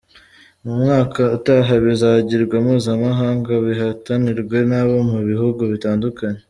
Mu mwaka utaha bizagirwa mpuzamahanga bihatanirwe n’abo mu bihugu bitandukanye.